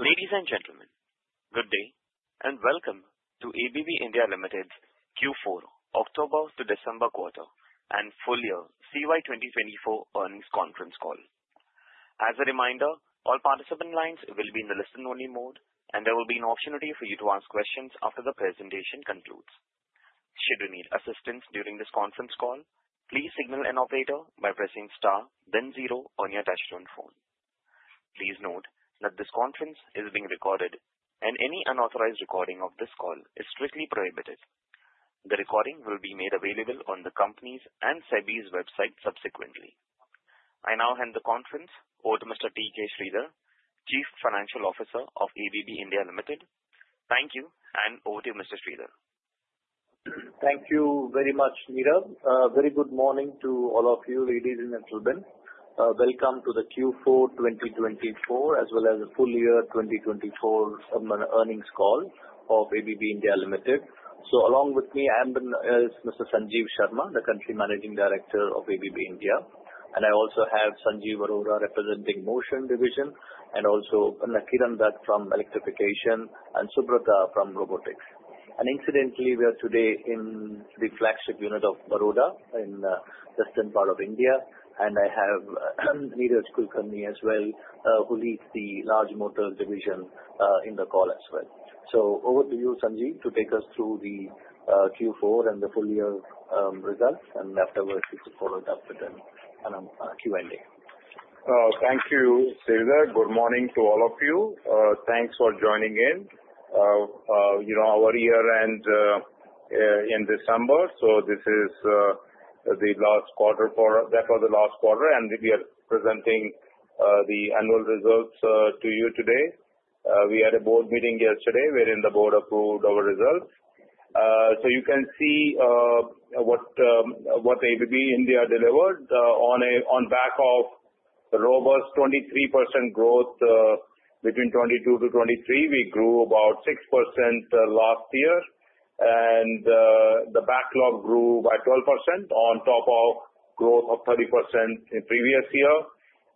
Ladies and gentlemen, good day, and welcome to ABB India Limited's Q4, October to December quarter, and full year CY 2024 earnings conference call. As a reminder, all participant lines will be in the listen-only mode, and there will be an opportunity for you to ask questions after the presentation concludes. Should you need assistance during this conference call, please signal an operator by pressing star, then zero on your touch-tone phone. Please note that this conference is being recorded, and any unauthorized recording of this call is strictly prohibited. The recording will be made available on the company's and SEBI's website subsequently. I now hand the conference over to Mr. T. K. Sridhar, Chief Financial Officer of ABB India Limited. Thank you, and over to you, Mr. Sridhar. Thank you very much, Mira. Very good morning to all of you, ladies and gentlemen. Welcome to the Q4 2024, as well as the full year 2024 earnings call of ABB India Limited. So along with me, I am Mr. Sanjeev Sharma, the Country Managing Director of ABB India. And I also have Sanjeev Arora representing Motion Division, and also Kiran Dutt from Electrification, and Subrata from Robotics. And incidentally, we are today in the flagship unit of Baroda in the western part of India. And I have Neeraj Kulkarni as well, who leads the large motor division in the call as well. So over to you, Sanjeev, to take us through the Q4 and the full year results. And afterwards, we can follow it up with a Q&A. Thank you, Sridhar. Good morning to all of you. Thanks for joining in. We are here in December, so this is the last quarter for that was the last quarter. And we are presenting the annual results to you today. We had a board meeting yesterday wherein the board approved our results. So you can see what ABB India delivered on back of robust 23% growth between 2022 to 2023. We grew about 6% last year. And the backlog grew by 12% on top of growth of 30% in previous year.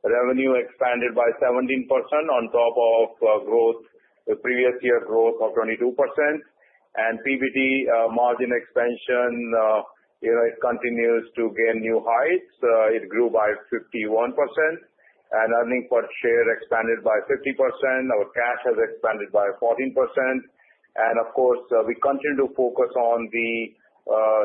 Revenue expanded by 17% on top of previous year growth of 22%. And PBT margin expansion, it continues to gain new heights. It grew by 51%. And earnings per share expanded by 50%. Our cash has expanded by 14%. And of course, we continue to focus on the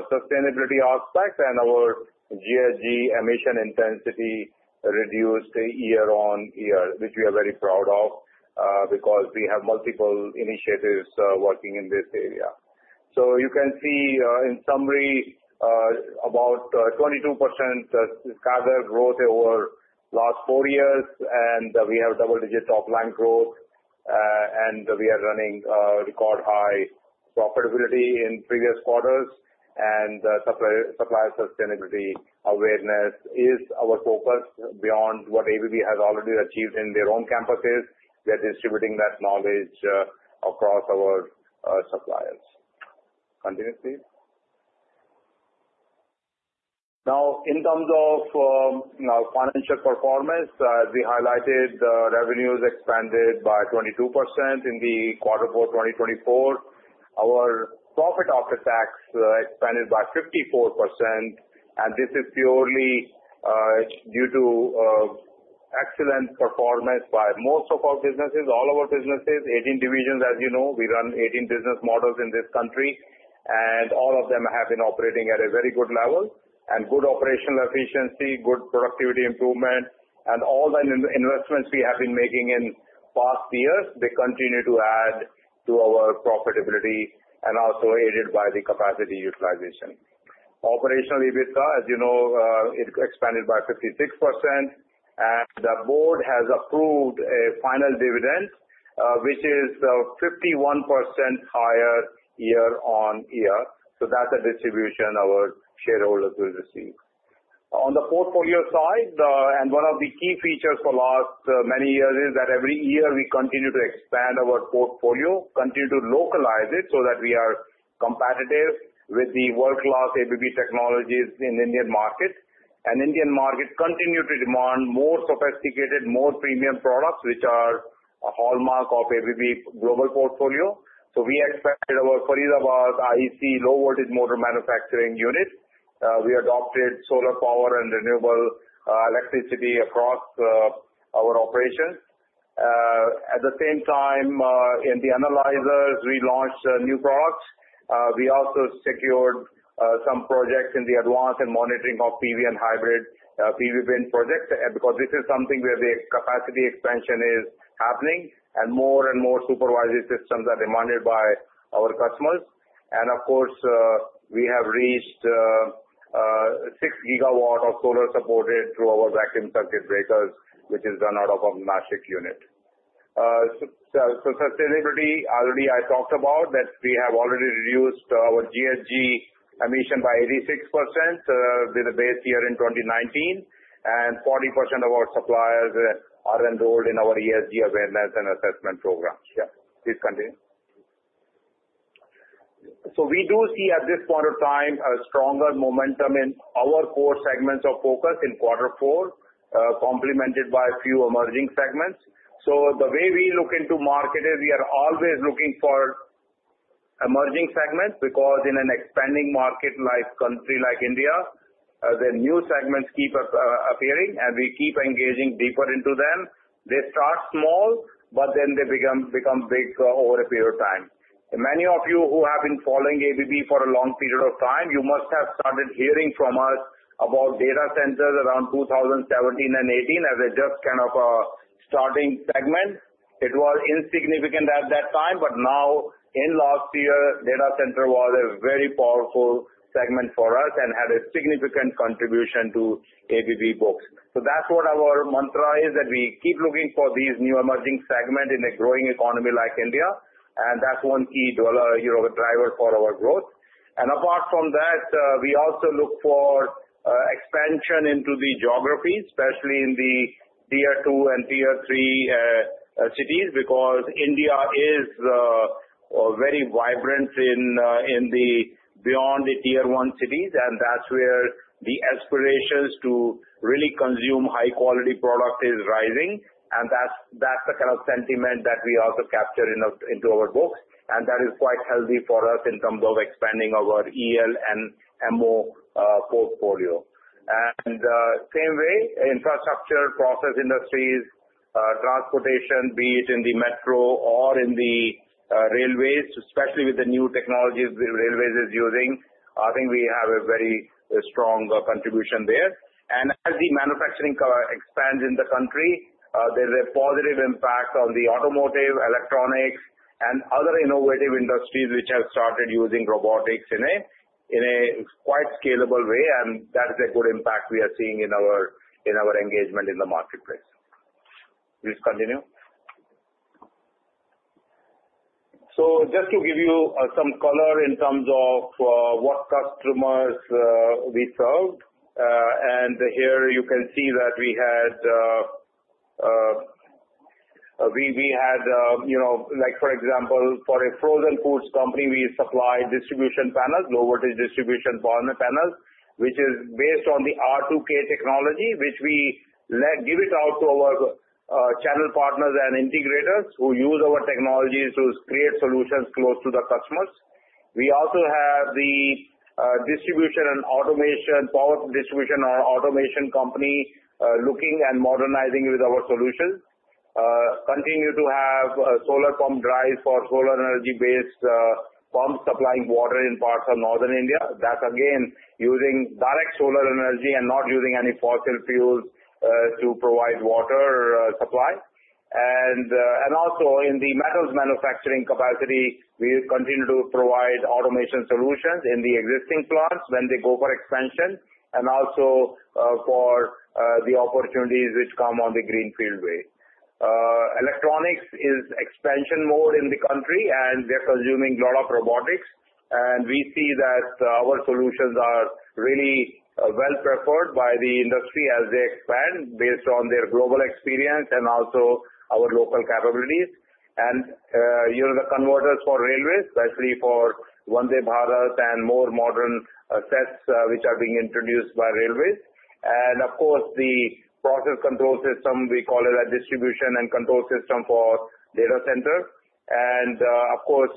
sustainability aspect. Our GHG emission intensity reduced year on year, which we are very proud of because we have multiple initiatives working in this area. So you can see, in summary, about 22% growth over the last four years. We have double-digit top-line growth. We are running record high profitability in previous quarters. Supplier sustainability awareness is our focus beyond what ABB has already achieved in their own campuses. We are distributing that knowledge across our suppliers. Continue, please. Now, in terms of financial performance, as we highlighted, revenues expanded by 22% in the quarter for 2024. Our Profit After Tax expanded by 54%. This is purely due to excellent performance by most of our businesses, all of our businesses, 18 divisions, as you know. We run 18 business models in this country. All of them have been operating at a very good level. Good operational efficiency, good productivity improvement, and all the investments we have been making in past years, they continue to add to our profitability and also aided by the capacity utilization. Operationally, as you know, it expanded by 56%. The board has approved a final dividend, which is 51% higher year on year. That's a distribution our shareholders will receive. On the portfolio side, one of the key features for the last many years is that every year we continue to expand our portfolio, continue to localize it so that we are competitive with the world-class ABB technologies in the Indian market. The Indian market continues to demand more sophisticated, more premium products, which are a hallmark of ABB's global portfolio. We expanded our Faridabad IEC low-voltage motor manufacturing unit. We adopted solar power and renewable electricity across our operations. At the same time, in the analyzers, we launched new products. We also secured some projects in the advance and monitoring of PV and hybrid PV wind projects because this is something where the capacity expansion is happening and more and more supervised systems are demanded by our customers. And of course, we have reached six gigawatts of solar supported through our vacuum circuit breakers, which is done out of our Nashik unit. So sustainability, already I talked about that we have already reduced our GHG emission by 86% with a base year in 2019. And 40% of our suppliers are enrolled in our ESG awareness and assessment program. Yeah, please continue. So we do see at this point of time a stronger momentum in our core segments of focus in Q4, complemented by a few emerging segments. The way we look into market is we are always looking for emerging segments because in an expanding market like country like India, the new segments keep appearing, and we keep engaging deeper into them. They start small, but then they become big over a period of time. Many of you who have been following ABB for a long period of time, you must have started hearing from us about data centers around 2017 and 2018 as a just kind of a starting segment. It was insignificant at that time, but now in last year, data center was a very powerful segment for us and had a significant contribution to ABB books. That's what our mantra is, that we keep looking for these new emerging segments in a growing economy like India. And that's one key driver for our growth. And apart from that, we also look for expansion into the geographies, especially in the tier two and tier three cities because India is very vibrant in and beyond the tier one cities. And that's where the aspirations to really consume high-quality product is rising. And that's the kind of sentiment that we also capture into our books. And that is quite healthy for us in terms of expanding our EL and MO portfolio. And same way, infrastructure, process industries, transportation, be it in the metro or in the railways, especially with the new technologies railways are using, I think we have a very strong contribution there. And as the manufacturing expands in the country, there's a positive impact on the automotive, electronics, and other innovative industries which have started using robotics in quite a scalable way. That is a good impact we are seeing in our engagement in the marketplace. Please continue. Just to give you some color in terms of what customers we served. Here you can see that we had, for example, for a frozen foods company, we supplied distribution panels, low-voltage distribution panels, which is based on the ArTu K technology, which we give it out to our channel partners and integrators who use our technologies to create solutions close to the customers. We also have the distribution and automation, power distribution automation company looking and modernizing with our solutions. Continue to have solar pump drives for solar energy-based pumps supplying water in parts of northern India. That's again using direct solar energy and not using any fossil fuels to provide water supply. And also in the metals manufacturing capacity, we continue to provide automation solutions in the existing plants when they go for expansion and also for the opportunities which come on the greenfield way. Electronics is in expansion mode in the country, and they're consuming a lot of robotics. And we see that our solutions are really well preferred by the industry as they expand based on their global experience and also our local capabilities. And the converters for railways, especially for Vande Bharat and more modern sets which are being introduced by railways. And of course, the process control system, we call it a Distributed Control System for data centers. And of course,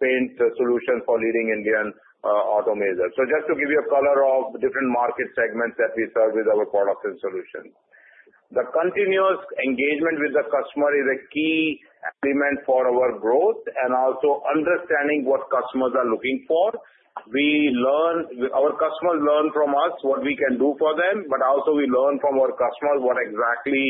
paint solutions for leading Indian automakers. So just to give you a color of different market segments that we serve with our products and solutions. The continuous engagement with the customer is a key element for our growth and also understanding what customers are looking for. Our customers learn from us what we can do for them, but also we learn from our customers what exactly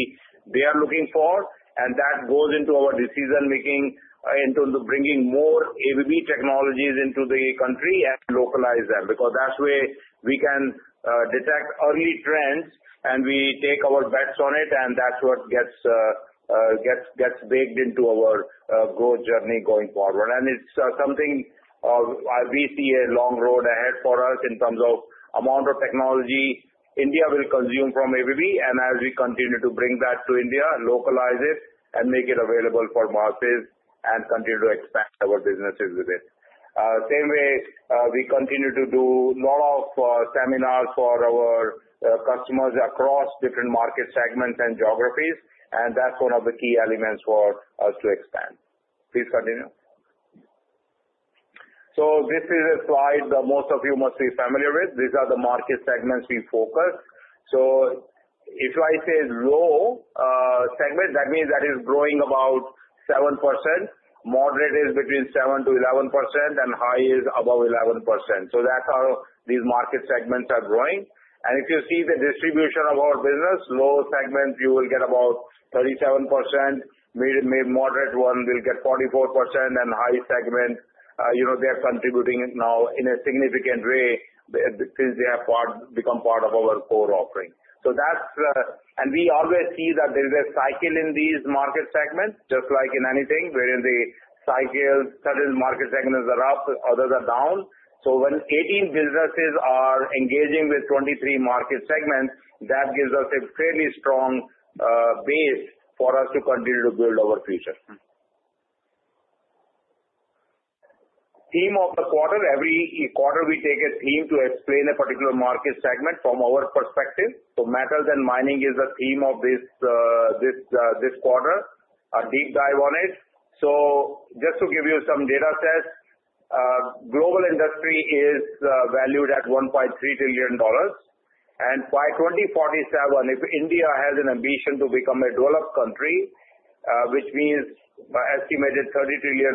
they are looking for, and that goes into our decision-making into bringing more ABB technologies into the country and localize them because that's where we can detect early trends and we take our bets on it. And that's what gets baked into our growth journey going forward, and it's something we see a long road ahead for us in terms of amount of technology India will consume from ABB. And as we continue to bring that to India, localize it, and make it available for markets and continue to expand our businesses with it. Same way, we continue to do a lot of seminars for our customers across different market segments and geographies. And that's one of the key elements for us to expand. Please continue. So this is a slide that most of you must be familiar with. These are the market segments we focus. So if I say low segment, that means that is growing about 7%. Moderate is between 7%-11%, and high is above 11%. So that's how these market segments are growing. And if you see the distribution of our business, low segment, you will get about 37%. Mid-moderate one will get 44%. And high segment, they are contributing now in a significant way since they have become part of our core offering. We always see that there is a cycle in these market segments, just like in anything wherein the cycle, certain market segments are up, others are down. So when 18 businesses are engaging with 23 market segments, that gives us a fairly strong base for us to continue to build our future. The theme of the quarter, every quarter we take a theme to explain a particular market segment from our perspective. So metals and mining is the theme of this quarter, a deep dive on it. So just to give you some data sets, global industry is valued at $1.3 trillion. And by 2047, if India has an ambition to become a developed country, which means an estimated $30 trillion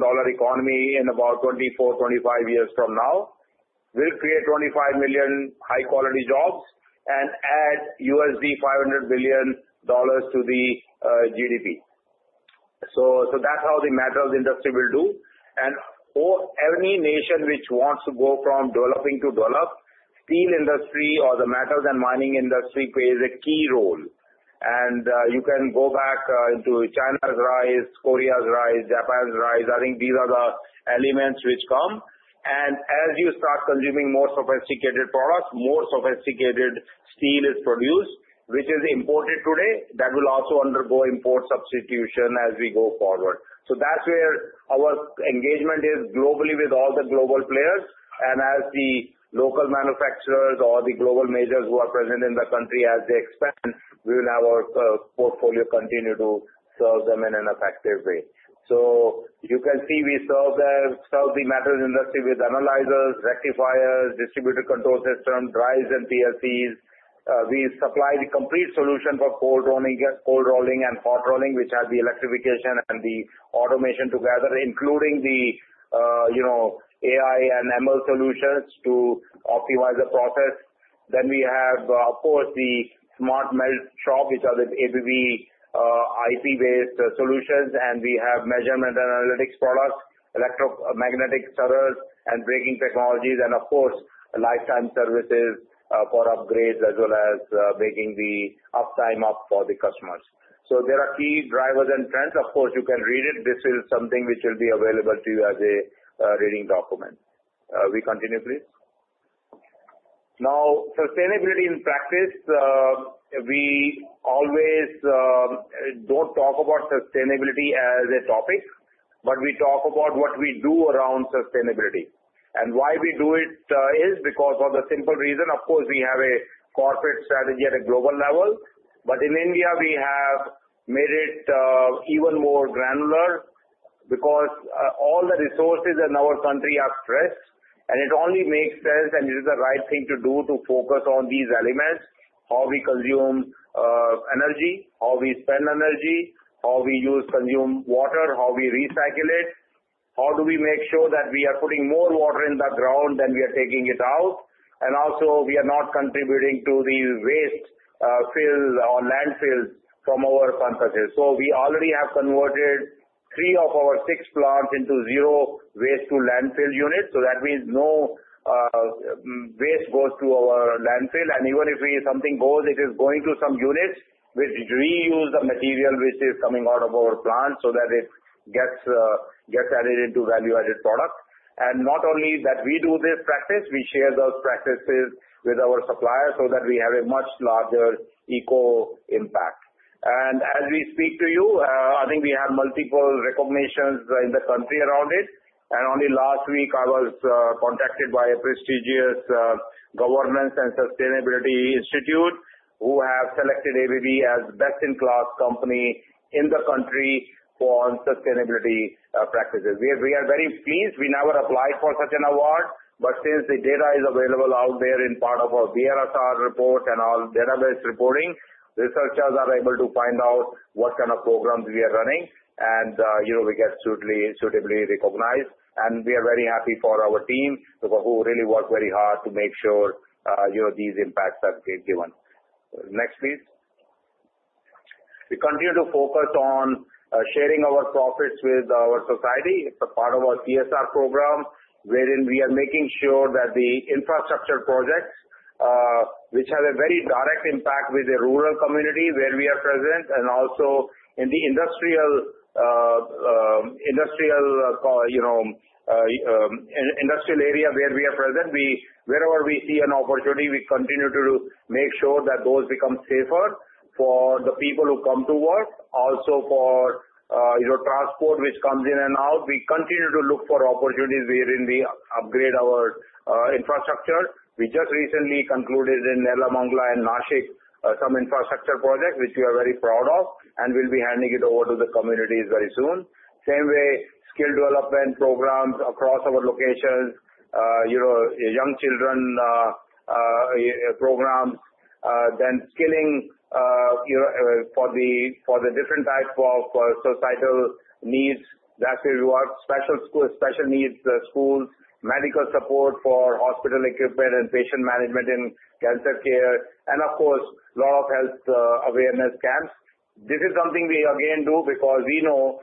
economy in about 24-25 years from now, we'll create 25 million high-quality jobs and add $500 billion to the GDP. So that's how the metals industry will do. And any nation which wants to go from developing to develop, steel industry or the metals and mining industry plays a key role. And you can go back into China's rise, Korea's rise, Japan's rise. I think these are the elements which come. And as you start consuming more sophisticated products, more sophisticated steel is produced, which is imported today. That will also undergo import substitution as we go forward. So that's where our engagement is globally with all the global players. And as the local manufacturers or the global majors who are present in the country, as they expand, we will have our portfolio continue to serve them in an effective way. So you can see we serve the metals industry with analyzers, rectifiers, distributed control systems, drives, and PLCs. We supply the complete solution for cold rolling and hot rolling, which has the electrification and the automation together, including the AI and ML solutions to optimize the process. Then we have, of course, the Smart Melt Shop, which are the ABB IP-based solutions. And we have measurement and analytics products, electromagnetic stirrers, and braking technologies. And of course, lifetime services for upgrades as well as making the uptime up for the customers. So there are key drivers and trends. Of course, you can read it. This is something which will be available to you as a reading document. We continue, please. Now, sustainability in practice, we always don't talk about sustainability as a topic, but we talk about what we do around sustainability. And why we do it is because for the simple reason, of course, we have a corporate strategy at a global level. But in India, we have made it even more granular because all the resources in our country are stressed. And it only makes sense, and it is the right thing to do, to focus on these elements: how we consume energy, how we spend energy, how we consume water, how we recycle it, how do we make sure that we are putting more water in the ground than we are taking it out. And also, we are not contributing to the landfill from our facilities. So we already have converted three of our six plants into zero waste-to-landfill units. So that means no waste goes to our landfill. And even if something goes, it is going to some units which reuse the material which is coming out of our plants so that it gets added into value-added products. And not only that we do this practice, we share those practices with our suppliers so that we have a much larger eco impact. And as we speak to you, I think we have multiple recognitions in the country around it. And only last week, I was contacted by a prestigious governance and sustainability institute who have selected ABB as best-in-class company in the country for sustainability practices. We are very pleased. We never applied for such an award. But since the data is available out there in part of our BRSR report and all database reporting, researchers are able to find out what kind of programs we are running. And we get suitably recognized. And we are very happy for our team who really work very hard to make sure these impacts are given. Next, please. We continue to focus on sharing our profits with our society. It's a part of our ESG program wherein we are making sure that the infrastructure projects which have a very direct impact with the rural community where we are present and also in the industrial area where we are present, wherever we see an opportunity, we continue to make sure that those become safer for the people who come to work. Also for transport which comes in and out, we continue to look for opportunities wherein we upgrade our infrastructure. We just recently concluded in Nelamangala and Nashik some infrastructure projects which we are very proud of and will be handing it over to the communities very soon. Same way, skill development programs across our locations, young children programs, then skilling for the different types of societal needs. That's where we work. Special needs schools, medical support for hospital equipment and patient management in cancer care. And of course, a lot of health awareness camps. This is something we, again, do because we know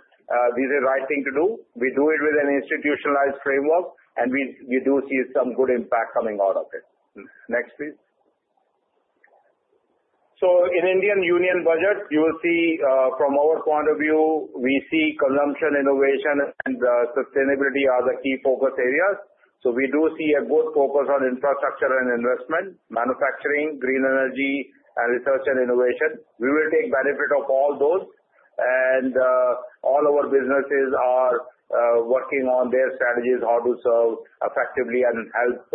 this is the right thing to do. We do it with an institutionalized framework, and we do see some good impact coming out of it. Next, please. So in Indian Union Budget, you will see from our point of view, we see consumption, innovation, and sustainability are the key focus areas. So we do see a good focus on infrastructure and investment, manufacturing, green energy, and research and innovation. We will take benefit of all those. And all our businesses are working on their strategies, how to serve effectively and help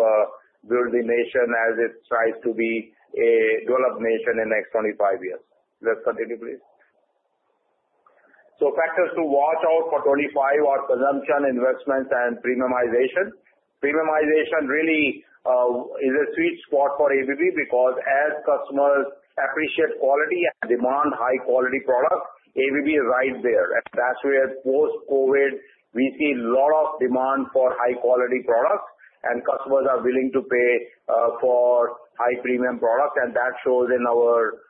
build the nation as it tries to be a developed nation in the next 25 years. Let's continue, please. So factors to watch out for 25 are consumption, investments, and premiumization. Premiumization really is a sweet spot for ABB because as customers appreciate quality and demand high-quality products, ABB is right there. And that's where post-COVID, we see a lot of demand for high-quality products. And customers are willing to pay for high-premium products. And that shows in our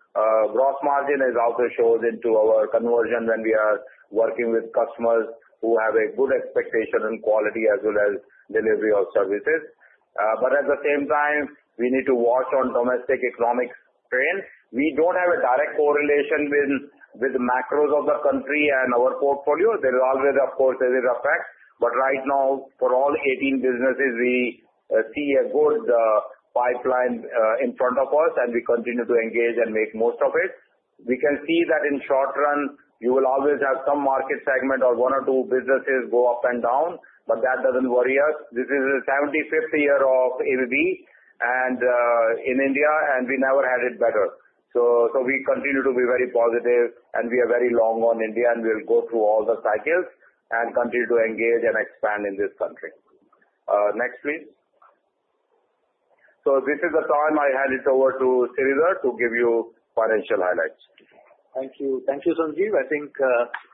gross margin as also shows into our conversion when we are working with customers who have a good expectation on quality as well as delivery of services. But at the same time, we need to watch on domestic economic trends. We don't have a direct correlation with macros of the country and our portfolio. There is always, of course, there is a fact. But right now, for all 18 businesses, we see a good pipeline in front of us, and we continue to engage and make most of it. We can see that in short run, you will always have some market segment or one or two businesses go up and down, but that doesn't worry us. This is the 75th year of ABB in India, and we never had it better. So we continue to be very positive, and we are very long on India, and we'll go through all the cycles and continue to engage and expand in this country. Next, please. So this is the time I hand it over to Sridhar to give you financial highlights. Thank you. Thank you, Sanjeev. I think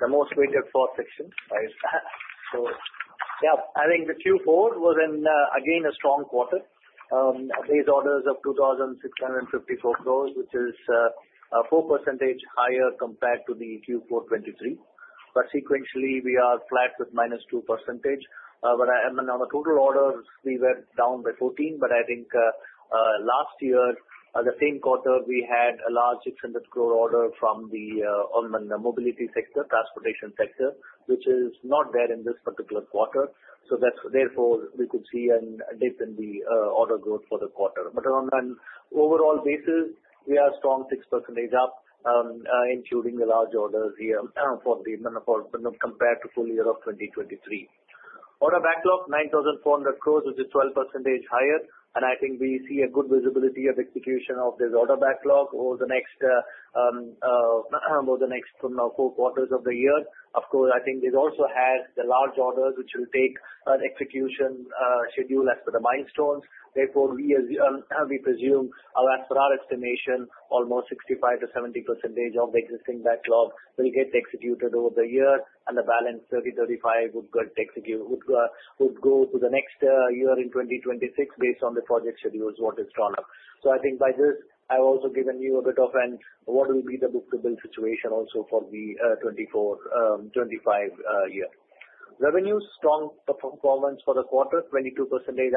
the most weighted fourth section. So yeah, I think the Q4 was, again, a strong quarter. These orders of 2,654 crores, which is 4% higher compared to the Q4 2023. But sequentially, we are flat with minus 2%. But on the total orders, we were down by 14%. But I think last year, the same quarter, we had a large 600 crore order from the mobility sector, transportation sector, which is not there in this particular quarter. So therefore, we could see a dip in the order growth for the quarter. But on an overall basis, we are strong 6% up, including the large orders here compared to full year of 2023. Order backlog, 9,400 crores, which is 12% higher. And I think we see a good visibility of execution of this order backlog over the next four quarters of the year. Of course, I think it also has the large orders, which will take an execution schedule as per the milestones. Therefore, we presume, as per our estimation, almost 65%-70% of the existing backlog will get executed over the year. And the balance, 30-35, would go to the next year in 2026 based on the project schedules, what is stronger. So I think by this, I've also given you a bit of an what will be the book-to-bill situation also for the 2024, 2025 year. Revenue, strong performance for the quarter, 22%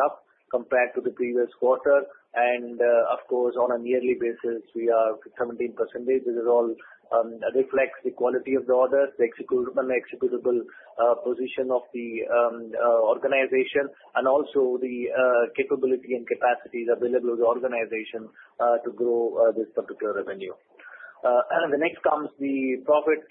up compared to the previous quarter. And of course, on a yearly basis, we are 17%. This all reflects the quality of the orders, the executable position of the organization, and also the capability and capacities available to the organization to grow this particular revenue. And the next comes the profit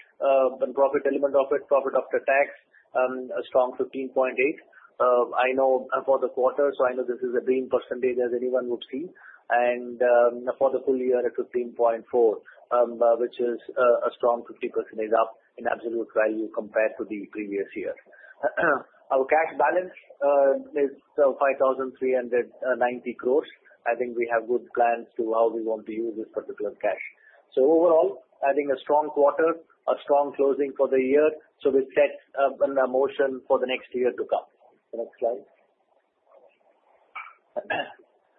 and profit element of it, profit after tax, a strong 15.8% growth for the quarter, so I know this is a green percentage as anyone would see. And for the full year, it's 15.4, which is a strong 50% up in absolute value compared to the previous year. Our cash balance is 5,390 crores. I think we have good plans to how we want to use this particular cash. So overall, I think a strong quarter, a strong closing for the year. So we set up a motion for the next year to come. Next slide.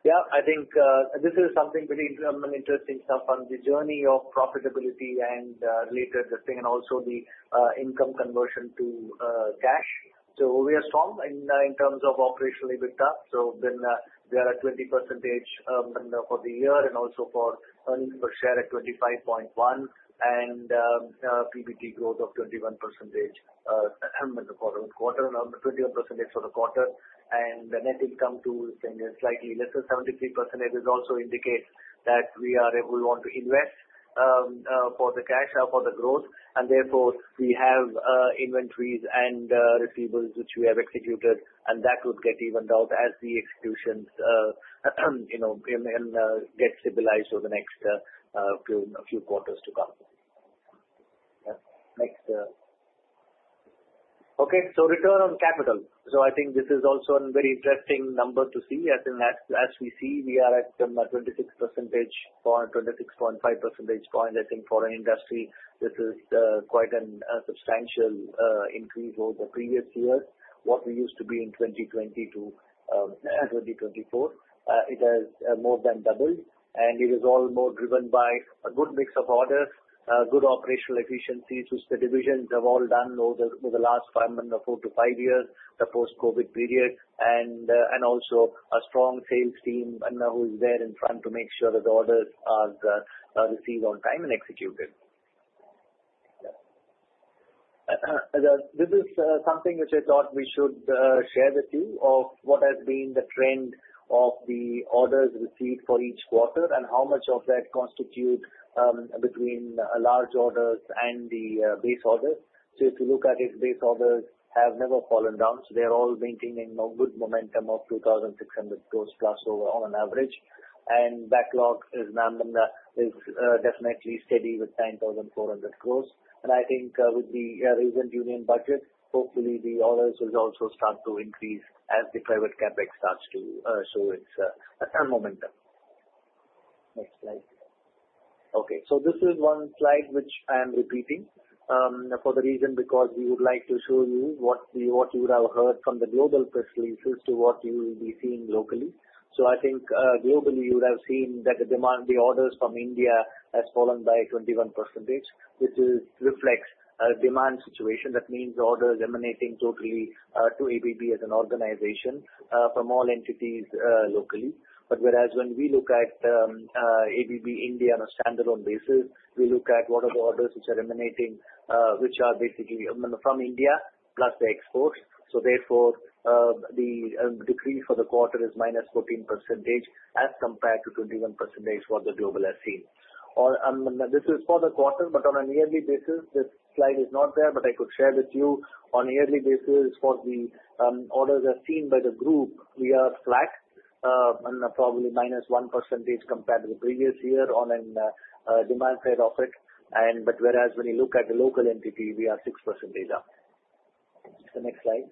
Yeah, I think this is something pretty interesting stuff on the journey of profitability and related to thing and also the income conversion to cash. So we are strong in terms of operationally big tasks. So there are 20% for the year and also for earnings per share at 25.1 and PBT growth of 21% quarter on quarter and 21% for the quarter. And the net income too is slightly less than 73%. It also indicates that we are able to invest for the cash for the growth. And therefore, we have inventories and receivables which we have executed. And that would get evened out as the executions get stabilized over the next few quarters to come. Next. Okay. So return on capital. So I think this is also a very interesting number to see. I think as we see, we are at 26%, 26.5 percentage points. I think for an industry, this is quite a substantial increase over the previous year. What we used to be in 2020 to 2024, it has more than doubled. And it is all more driven by a good mix of orders, good operational efficiencies, which the divisions have all done over the last four to five years, the post-COVID period. And also a strong sales team who is there in front to make sure that the orders are received on time and executed. This is something which I thought we should share with you of what has been the trend of the orders received for each quarter and how much of that constitutes between large orders and the base orders. So if you look at it, base orders have never fallen down. So they're all maintaining good momentum of 2,600 crores plus overall on average. And backlog is definitely steady with 9,400 crores. And I think with the recent union budget, hopefully, the orders will also start to increase as the private CapEx starts to show its momentum. Next slide. Okay. So this is one slide which I am repeating for the reason because we would like to show you what you would have heard from the global press releases to what you will be seeing locally. So I think globally, you would have seen that the orders from India have fallen by 21%, which reflects a demand situation. That means orders emanating totally to ABB as an organization from all entities locally. But whereas when we look at ABB India on a standalone basis, we look at what are the orders which are emanating, which are basically from India plus the exports. So therefore, the decrease for the quarter is minus 14% as compared to 21% for the global as seen. This is for the quarter, but on a yearly basis, this slide is not there, but I could share with you. On a yearly basis, for the orders as seen by the group, we are flat and probably minus 1% compared to the previous year on a demand side of it, but whereas when you look at the local entity, we are 6% up. Next slide.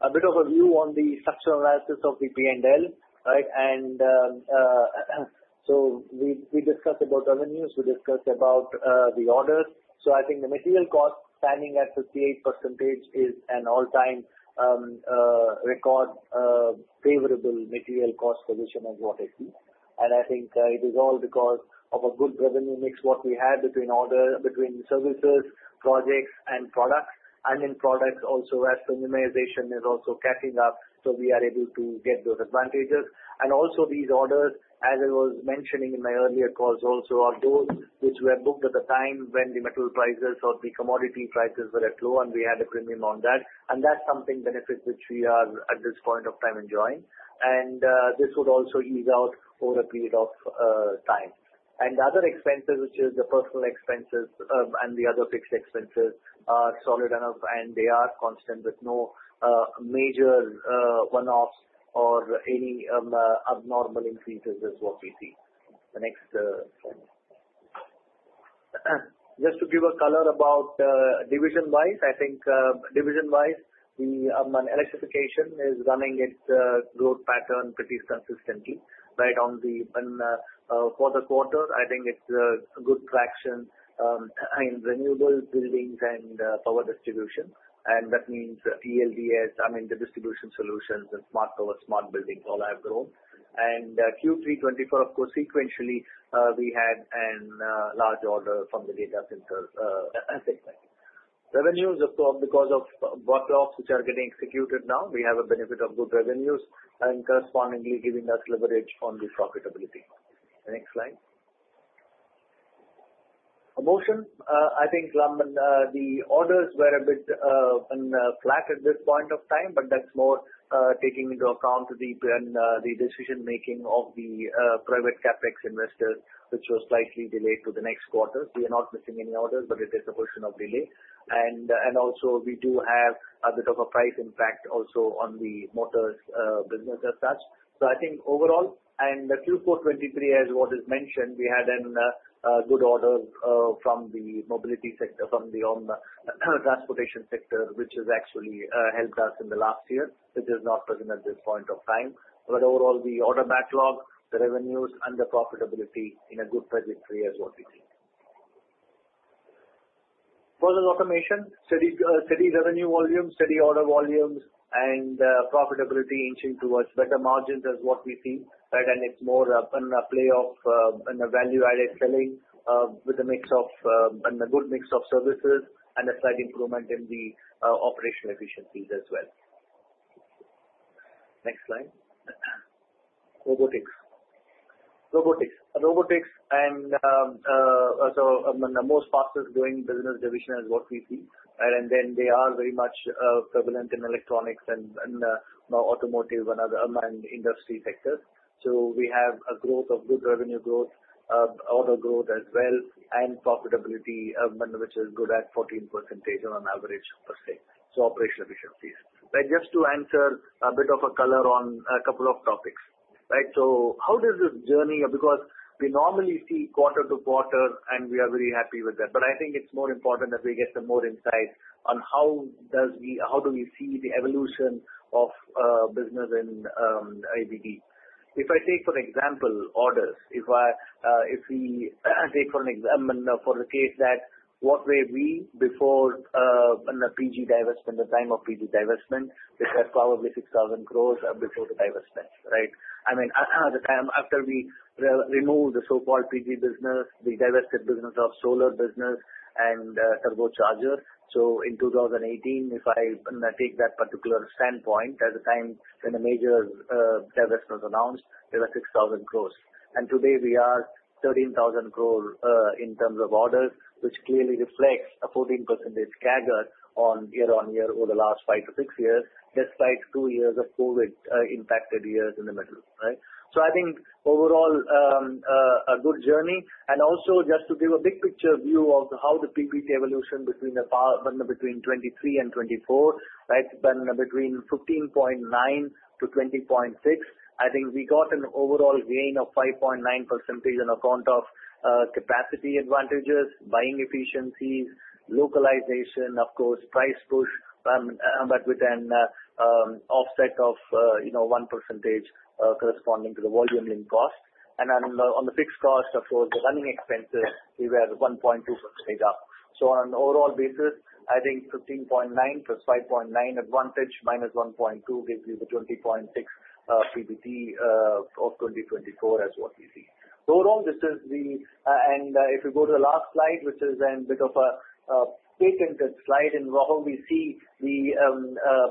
A bit of a view on the structural analysis of the P&L, right, and so we discussed about revenues. We discussed about the orders, so I think the material cost standing at 58% is an all-time record favorable material cost position as what I see, and I think it is all because of a good revenue mix what we had between services, projects, and products, and in products also, as premiumization is also catching up, so we are able to get those advantages. Also these orders, as I was mentioning in my earlier calls, also are those which were booked at the time when the metal prices or the commodity prices were at low, and we had a premium on that. That's some benefits which we are at this point of time enjoying. This would also ease out over a period of time. Other expenses, which are the personnel expenses and the other fixed expenses, are solid enough, and they are constant with no major one-offs or any abnormal increases is what we see. The next slide. Just to give a color about division-wise, I think division-wise, electrification is running its growth pattern pretty consistently, right? For the quarter, I think it's a good traction in renewables, buildings and power distribution. That means ELDS, I mean, the distribution solutions and smart power, smart buildings, all have grown. Q3 2024, of course, sequentially, we had a large order from the data center. Revenues, of course, because of backlogs which are getting executed now, we have a benefit of good revenues and correspondingly giving us leverage on the profitability. Next slide. Motion. I think the orders were a bit flat at this point of time, but that's more taking into account the decision-making of the private CapEx investors, which was slightly delayed to the next quarter. We are not missing any orders, but it is a question of delay. And also, we do have a bit of a price impact also on the motors business as such. So I think overall, in Q4 2023, as what is mentioned, we had a good order from the mobility sector, from the transportation sector, which has actually helped us in the last year, which is not present at this point of time. But overall, the order backlog, the revenues, and the profitability in a good trajectory is what we see. Further automation, steady revenue volumes, steady order volumes, and profitability inching towards better margins is what we see. And it's more of a payoff and a value-added selling with a mix of a good mix of services and a slight improvement in the operational efficiencies as well. Next slide. Robotics. Robotics. Robotics and also the most fastest growing business division is what we see. And then they are very much prevalent in electronics and automotive and other industry sectors. We have good revenue growth, order growth as well, and profitability, which is good at 14% on average per se. Operational efficiencies. Just to answer a bit of color on a couple of topics, right? How does this journey because we normally see quarter to quarter, and we are very happy with that. But I think it is more important that we get some more insight on how we see the evolution of business in ABB. If I take, for example, orders, if we take for the case that what were we before the PG divestment, the time of PG divestment, which was probably 6,000 crores before the divestment, right? I mean, at the time, after we removed the so-called PG business, the divested business of solar business and turbocharger. In 2018, if I take that particular standpoint, at the time when the major divestment was announced, there were 6,000 crores. And today, we are 13,000 crores in terms of orders, which clearly reflects a 14% CAGR on year-on-year over the last five to six years, despite two years of COVID-impacted years in the middle, right? I think overall, a good journey. And also, just to give a big picture view of how the PBT evolution between 2023 and 2024, right, between 15.9 to 20.6, I think we got an overall gain of 5.9% on account of capacity advantages, buying efficiencies, localization, of course, price push, but with an offset of 1% corresponding to the volume and cost. And on the fixed cost, of course, the running expenses, we were 1.2% up. So on an overall basis, I think 15.9 plus 5.9 advantage minus 1.2 gives you the 20.6 PBT of 2024 as what we see. So overall, this is, and if you go to the last slide, which is a bit of a patented slide in how we see the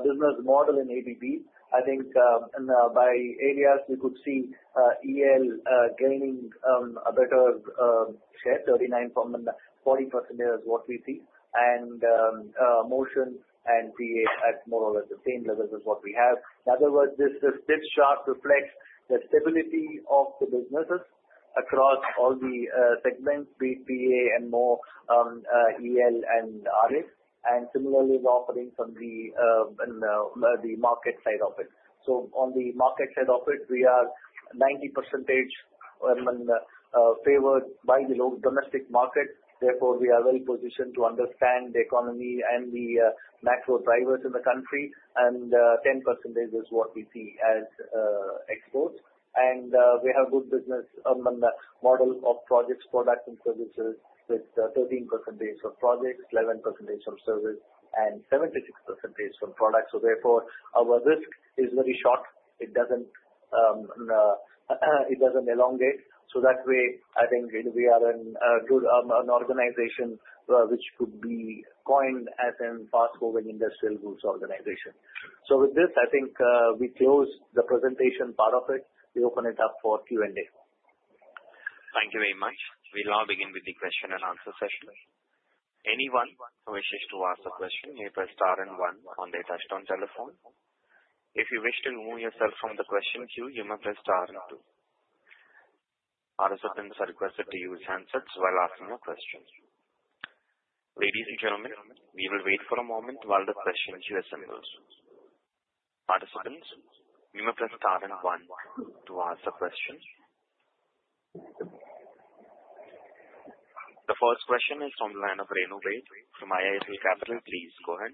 business model in ABB, I think by areas, we could see EL gaining a better share, 39% from 40% is what we see. And motion and PA at more or less the same levels as what we have. In other words, this shape reflects the stability of the businesses across all the segments, PA and more EL and RX, and similarly offerings on the market side of it. So on the market side of it, we are 90% favored by the domestic market. Therefore, we are well-positioned to understand the economy and the macro drivers in the country. And 10% is what we see as exports. And we have a good business model of projects, products, and services with 13% for projects, 11% for service, and 76% for products. So therefore, our risk is very short. It doesn't elongate. So that way, I think we are an organization which could be coined as a fast-moving industrial goods organization. So with this, I think we close the presentation part of it. We open it up for Q&A. Thank you very much. We'll now begin with the question and answer session. Anyone who wishes to ask a question may press star and one on their touch-tone telephone. If you wish to remove yourself from the question queue, you may press star and two. Participants are requested to use handsets while asking a question. Ladies and gentlemen, we will wait for a moment while the question queue assembles. Participants, you may press star and one to ask a question. The first question is from Renu Baid from IIFL Securities. Please go ahead.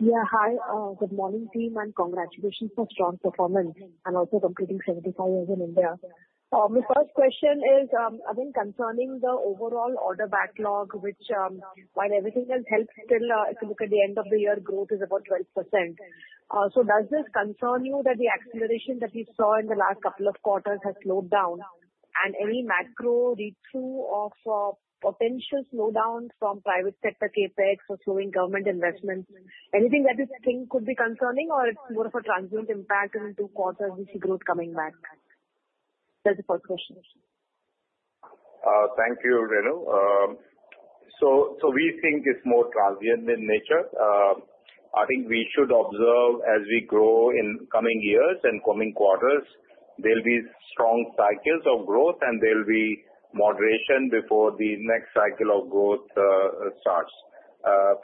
Yeah, hi. Good morning, team. And congratulations for strong performance and also completing 75 years in India. My first question is, again, concerning the overall order backlog, which, while everything has helped, still, if you look at the end of the year, growth is about 12%. So does this concern you that the acceleration that we saw in the last couple of quarters has slowed down? And any macro retreat of potential slowdown from private sector CapEx or slowing government investments? Anything that you think could be concerning, or it's more of a transient impact in two quarters we see growth coming back? That's the first question. Thank you, Renu. So we think it's more transient in nature. I think we should observe as we grow in coming years and coming quarters, there'll be strong cycles of growth, and there'll be moderation before the next cycle of growth starts,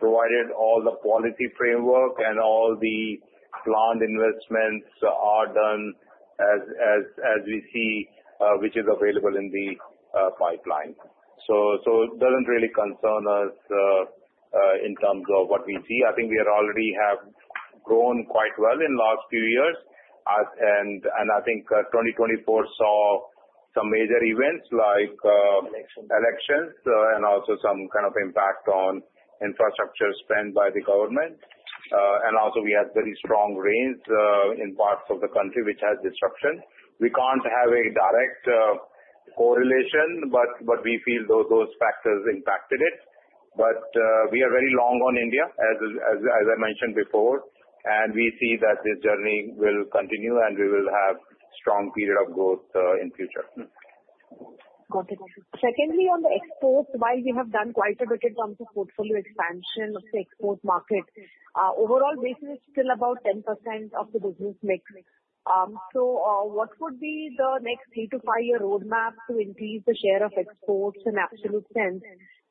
provided all the quality framework and all the planned investments are done as we see which is available in the pipeline, so it doesn't really concern us in terms of what we see. I think we already have grown quite well in the last few years, and I think 2024 saw some major events like elections and also some kind of impact on infrastructure spent by the government, and also, we had very strong rains in parts of the country which had disruption. We can't have a direct correlation, but we feel those factors impacted it, but we are very long on India, as I mentioned before. We see that this journey will continue, and we will have a strong period of growth in the future. Secondly, on the exports, while we have done quite a bit in terms of portfolio expansion of the export market, overall basis is still about 10% of the business mix. So what would be the next three- to five-year roadmap to increase the share of exports in absolute sense?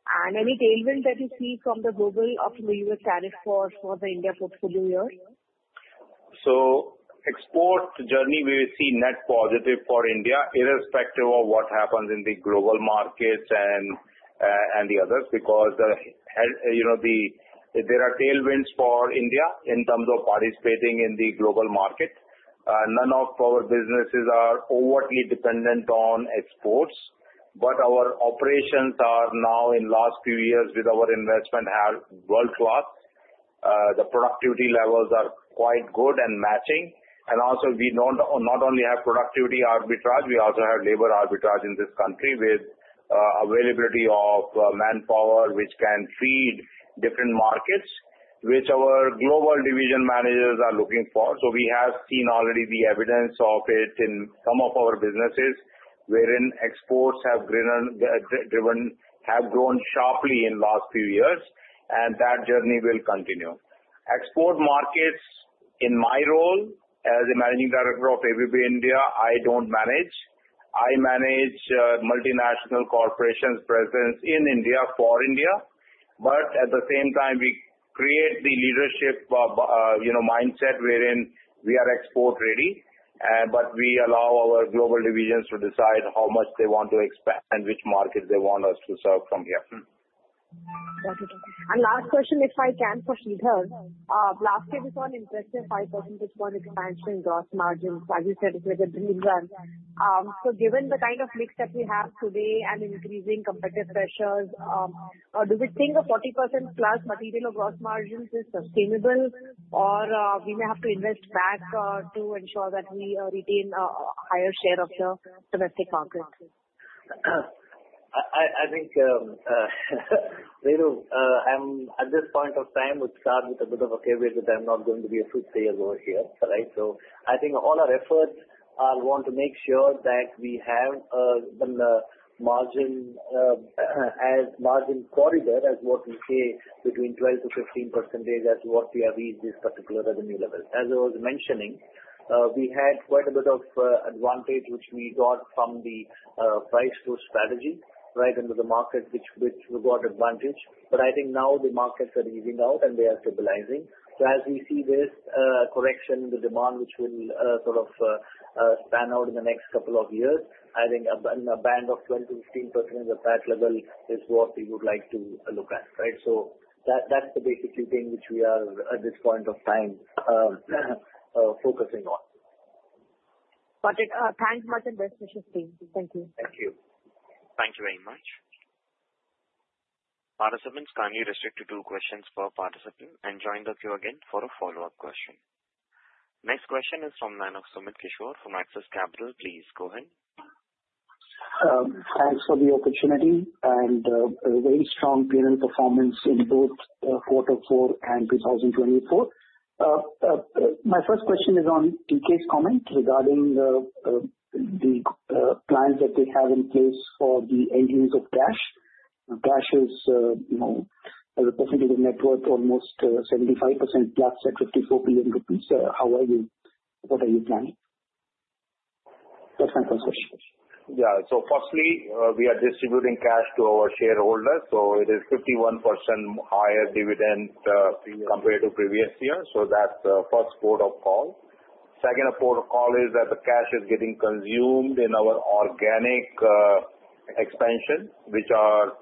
And any tailwind that you see from the global or from the U.S. tariff wars for the India portfolio here? So export journey, we see net positive for India, irrespective of what happens in the global markets and the others, because there are tailwinds for India in terms of participating in the global market. None of our businesses are overtly dependent on exports. But our operations are now, in the last few years, with our investment, have world-class. The productivity levels are quite good and matching, and also, we not only have productivity arbitrage; we also have labor arbitrage in this country with availability of manpower which can feed different markets, which our global division managers are looking for. So we have seen already the evidence of it in some of our businesses wherein exports have grown sharply in the last few years, and that journey will continue. Export markets, in my role as a Managing Director of ABB India, I don't manage. I manage multinational corporations' presence in India for India. But at the same time, we create the leadership mindset wherein we are export-ready, but we allow our global divisions to decide how much they want to expand and which markets they want us to serve from here. And last question, if I can, for Sridhar. Last year was an impressive 5% export expansion in gross margins, as you said, with a green run, so given the kind of mix that we have today and increasing competitive pressures, do we think a 40% plus material of gross margins is sustainable, or we may have to invest back to ensure that we retain a higher share of the domestic market? I think, Brenno, at this point of time, we'll start with a bit of a caveat that I'm not going to be a fortune teller over here, right, so I think all our efforts, I'll want to make sure that we have the margin corridor as what we say between 12%-15% as what we have reached this particular revenue level. As I was mentioning, we had quite a bit of advantage which we got from the price push strategy, right, into the market, which we got advantage. But I think now the markets are easing out, and they are stabilizing. So as we see this correction in the demand, which will sort of pan out in the next couple of years, I think a band of 12%-15% of that level is what we would like to look at, right? So that's the basically thing which we are, at this point of time, focusing on. Got it. Thanks much and best wishes, team. Thank you. Thank you. Thank you very much. Participants, kindly restrict to two questions per participant and join the queue again for a follow-up question. Next question is from Sumit Kishore from Axis Capital. Please go ahead. Thanks for the opportunity and a very strong P&L performance in both quarter four and 2024. My first question is on TK's comment regarding the plans that they have in place for the end use of cash. Cash is a percentage of net worth almost 75% plus at 54 billion rupees. How are you? What are you planning? That's my first question. Yeah. So firstly, we are distributing cash to our shareholders. So it is 51% higher dividend compared to previous year. So that's the first port of call. Second port of call is that the cash is getting consumed in our organic expansion, which are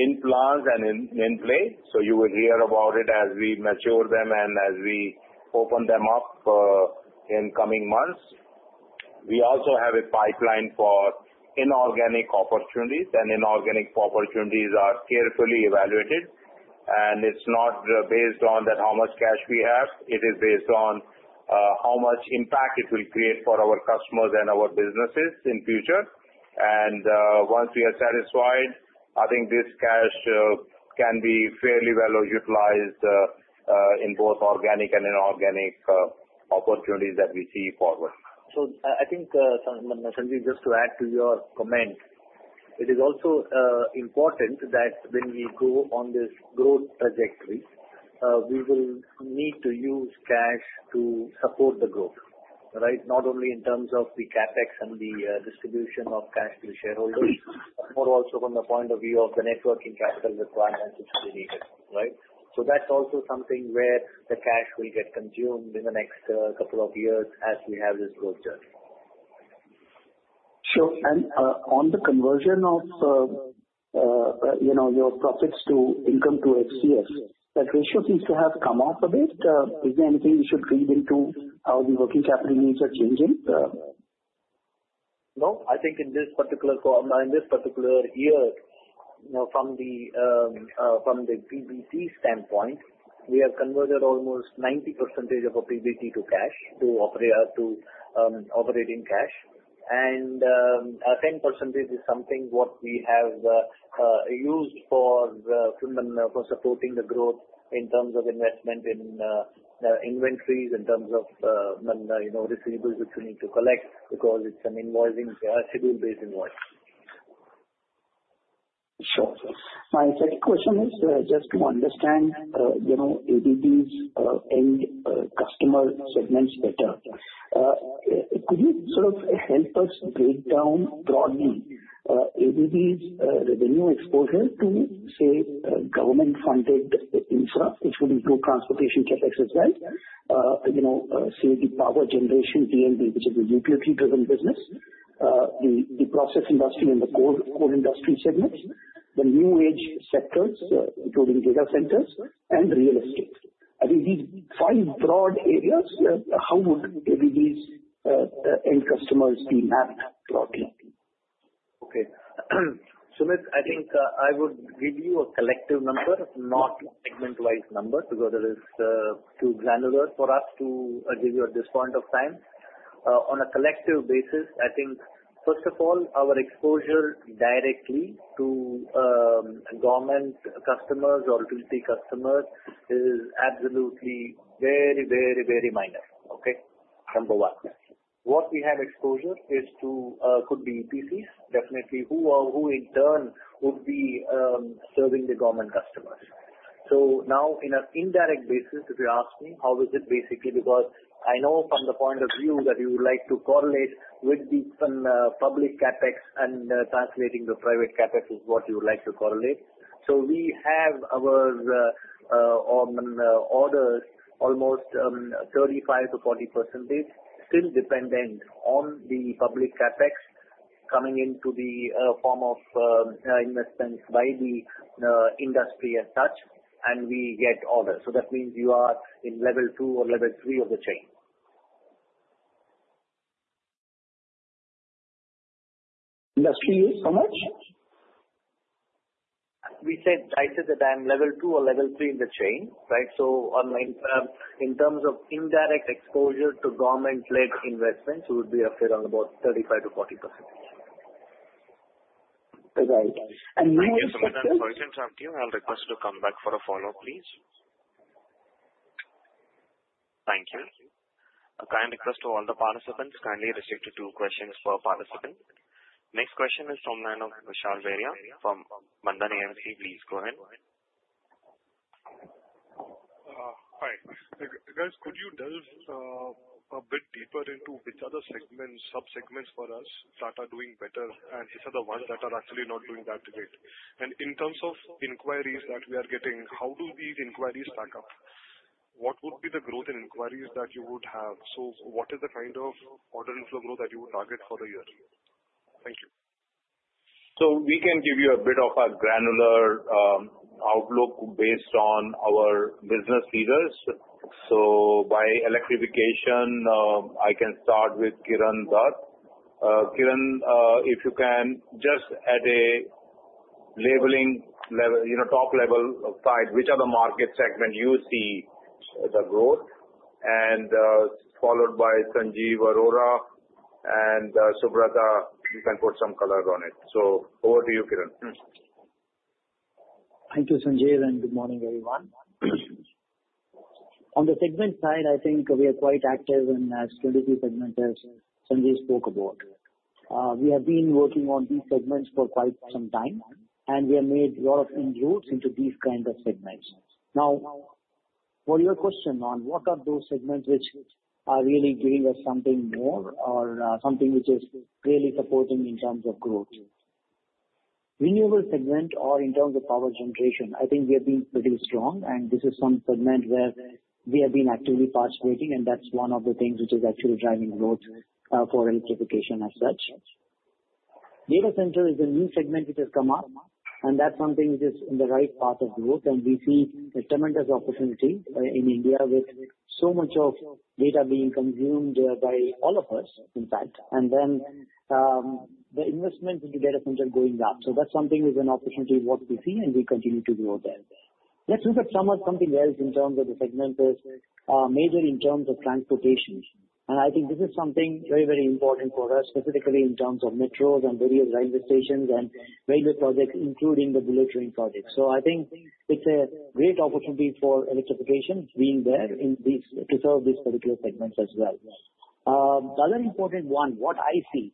in plans and in play. So you will hear about it as we mature them and as we open them up in coming months. We also have a pipeline for inorganic opportunities, and inorganic opportunities are carefully evaluated. It's not based on how much cash we have. It is based on how much impact it will create for our customers and our businesses in the future. Once we are satisfied, I think this cash can be fairly well utilized in both organic and inorganic opportunities that we see forward. I think, Sanjeev, just to add to your comment, it is also important that when we go on this growth trajectory, we will need to use cash to support the growth, right? Not only in terms of the CapEx and the distribution of cash to the shareholders, but also from the point of view of the working capital requirements which we needed, right? That's also something where the cash will get consumed in the next couple of years as we have this growth journey. Sure. On the conversion of your profits to income to OCF, that ratio seems to have come up a bit. Is there anything we should read into how the working capital needs are changing? No. I think in this particular year, from the PBT standpoint, we have converted almost 90% of our PBT to cash, to operating cash. 10% is something what we have used for supporting the growth in terms of investment in inventories, in terms of receivables which we need to collect because it's an invoicing, schedule-based invoice. Sure. My second question is just to understand ABB's end customer segments better. Could you sort of help us break down broadly ABB's revenue exposure to, say, government-funded infra, which would include transportation CapEx as well, say, the power generation T&D, which is a utility-driven business, the process industry and the core industry segments, the new age sectors, including data centers and real estate? I think these five broad areas, how would ABB's end customers be mapped broadly? Okay. Sumit, I think I would give you a collective number, not segment-wise number, because it is too granular for us to give you at this point of time. On a collective basis, I think, first of all, our exposure directly to government customers or utility customers is absolutely very, very, very minor, okay? Number one. What we have exposure is to could be EPCs, definitely, who in turn would be serving the government customers. So now, in an indirect basis, if you ask me, how is it basically? Because I know from the point of view that you would like to correlate with the public CapEx and translating the private CapEx is what you would like to correlate. So we have our orders, almost 35%-40%, still dependent on the public CapEx coming into the form of investments by the industry as such, and we get orders. So that means you are in level two or level three of the chain. Industry is how much? I said that I'm level two or level three in the chain, right? So in terms of indirect exposure to government-led investments, it would be around about 35%-40%. And you have a question? Sorry to interrupt you. I'll request to come back for a follow-up, please. Thank you. A kind request to all the participants. Kindly restrict to two questions per participant. Next question is from Vishal Biraia from Bandhan AMC. Please go ahead. Hi. Guys, could you delve a bit deeper into which other segments, subsegments for us that are doing better, and which are the ones that are actually not doing that great? And in terms of inquiries that we are getting, how do these inquiries stack up? What would be the growth in inquiries that you would have? So what is the kind of order inflow growth that you would target for the year? Thank you. So we can give you a bit of a granular outlook based on our business leaders. So by electrification, I can start with Kiran Dutt. Kiran, if you can just at a top-level side, which are the market segments you see the growth? And followed by Sanjeev Arora and Subrata, you can put some color on it. So over to you, Kiran. Thank you, Sanjeev, and good morning, everyone. On the segment side, I think we are quite active in S23 segment, as Sanjeev spoke about. We have been working on these segments for quite some time, and we have made a lot of inroads into these kinds of segments. Now, for your question on what are those segments which are really giving us something more or something which is really supporting in terms of growth? Renewable segment or in terms of power generation, I think we have been pretty strong, and this is some segment where we have been actively participating, and that's one of the things which is actually driving growth for electrification as such. Data center is a new segment which has come up, and that's something which is in the right path of growth, and we see a tremendous opportunity in India with so much of data being consumed by all of us, in fact, and then the investment into data center going up, so that's something which is an opportunity what we see, and we continue to grow there. Let's look at something else in terms of the segment is major in terms of transportation, and I think this is something very, very important for us, specifically in terms of metros and various railway stations and railway projects, including the bullet train project, so I think it's a great opportunity for electrification being there to serve these particular segments as well. The other important one, what I see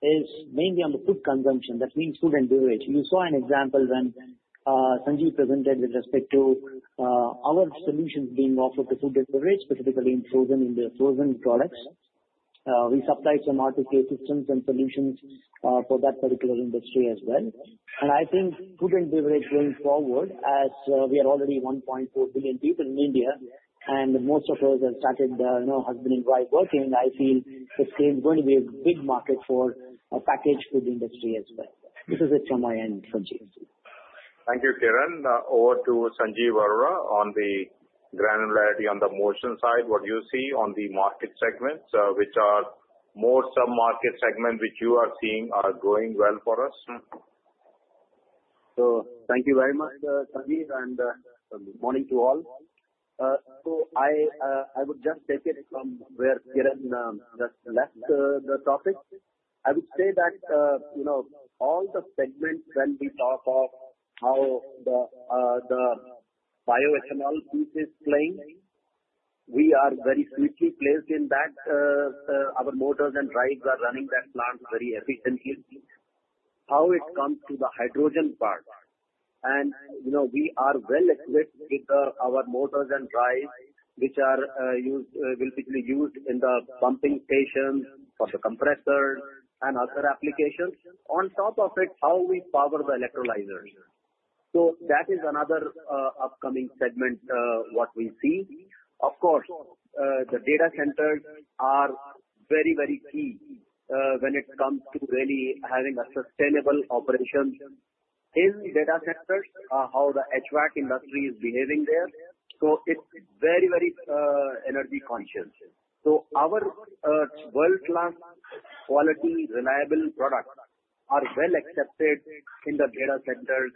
is mainly on the food consumption, that means food and beverage. You saw an example when Sanjeev presented with respect to our solutions being offered to food and beverage, specifically in frozen products. We supply some ArTu K systems and solutions for that particular industry as well, and I think food and beverage going forward, as we are already 1.4 billion people in India, and most of us have started husband and wife working, I feel it's going to be a big market for a packaged food industry as well. This is it from my end, Sanjeev. Thank you, Kiran. Over to Sanjeev Arora on the granularity on the motion side, what you see on the market segments, which are more sub-market segments which you are seeing are going well for us? So thank you very much, Sanjeev, and good morning to all, so I would just take it from where Kiran just left the topic. I would say that all the segments, when we talk of how the bioethanol piece is playing, we are very well placed in that our motors and drives are running that plant very efficiently. When it comes to the hydrogen part, and we are well equipped with our motors and drives which will be used in the pumping stations for the compressors and other applications. On top of it, how we power the electrolyzers, so that is another upcoming segment that we see. Of course, the data centers are very, very key when it comes to really having a sustainable operation in data centers, how the HVAC industry is behaving there, so it's very, very energy conscious, so our world-class quality reliable products are well accepted in the data centers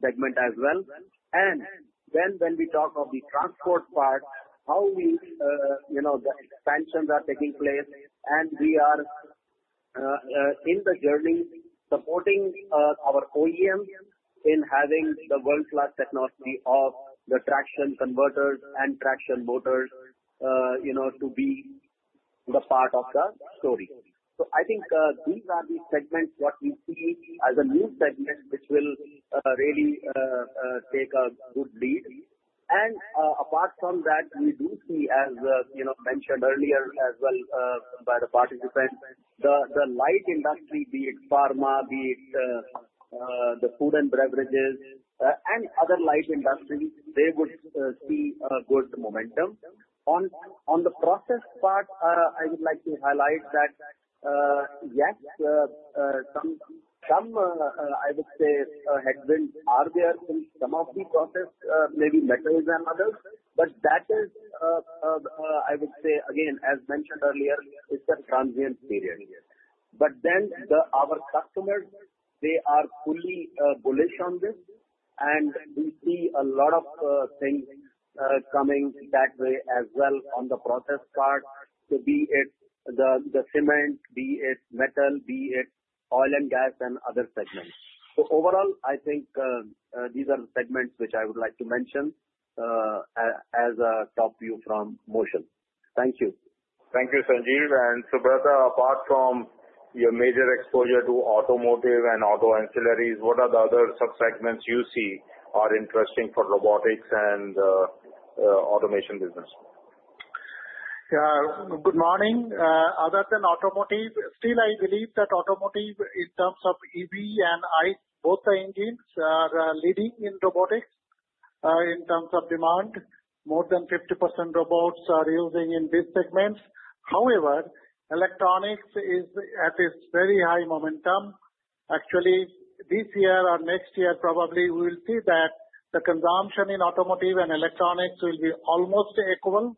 segment as well. And then, when we talk of the transport part, how the expansions are taking place, and we are in the journey supporting our OEMs in having the world-class technology of the traction converters and traction motors to be the part of the story. So I think these are the segments what we see as a new segment which will really take a good lead. And apart from that, we do see, as mentioned earlier as well by the participants, the light industry, be it pharma, be it the food and beverages, and other light industries, they would see a good momentum. On the process part, I would like to highlight that, yes, some, I would say, headwinds are there in some of the process, maybe metals and others, but that is, I would say, again, as mentioned earlier, it's a transient period. But then our customers, they are fully bullish on this, and we see a lot of things coming that way as well on the process part, be it the cement, be it metal, be it oil and gas, and other segments. So overall, I think these are the segments which I would like to mention as a top view from motion. Thank you. Thank you, Sanjeev, and Subrata, apart from your major exposure to automotive and auto ancillaries, what are the other subsegments you see are interesting for robotics and automation business? Yeah. Good morning. Other than automotive, still, I believe that automotive, in terms of EV and both the engines, are leading in robotics in terms of demand. More than 50% robots are using in these segments. However, electronics is at its very high momentum. Actually, this year or next year, probably we will see that the consumption in automotive and electronics will be almost equal,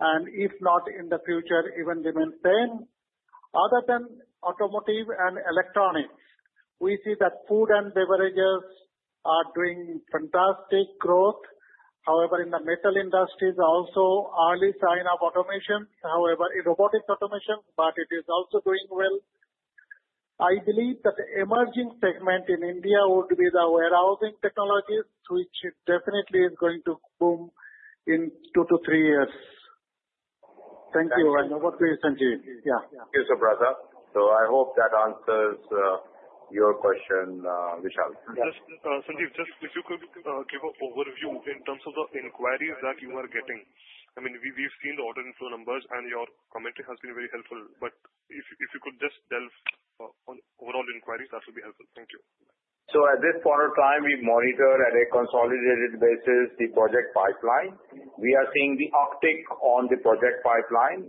and if not in the future, even remain same. Other than automotive and electronics, we see that food and beverages are doing fantastic growth. However, in the metal industries, also early sign-up automation, however, in robotics automation, but it is also doing well. I believe that the emerging segment in India would be the warehousing technologies, which definitely is going to boom in two to three years. Thank you, and over to you, Sanjeev. Yeah. Thank you, Subrata. So I hope that answers your question, Vishal. Sanjeev. Just if you could give a overview in terms of the inquiries that you are getting. I mean, we've seen the order inflow numbers, and your commentary has been very helpful. But if you could just delve on overall inquiries, that would be helpful. Thank you. So at this point of time, we monitor at a consolidated basis the project pipeline. We are seeing the uptick on the project pipeline.